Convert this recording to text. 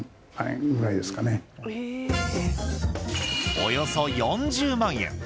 およそ４０万円。